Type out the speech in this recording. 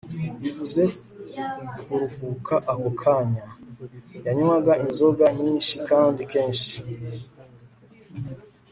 bivuze kuruhuka ako kanya. yanywaga inzoga nyinshi kandi kenshi